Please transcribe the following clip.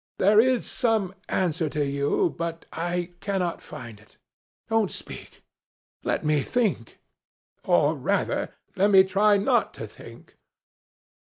There is some answer to you, but I cannot find it. Don't speak. Let me think. Or, rather, let me try not to think."